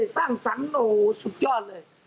สร้างสรรค์สุดยอดเลย